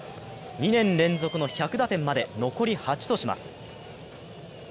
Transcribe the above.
２年連続の１００打点まで、残り８とします。